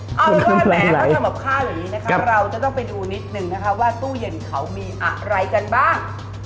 เอาแม้ก็ทำแบบค่าแบบนี้นะคะเราจะต้องไปดูนิดนึงนะคะว่าตู้เย็นเขามีอะไรกันบ้าง